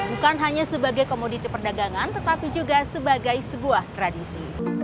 bukan hanya sebagai komoditi perdagangan tetapi juga sebagai sebuah tradisi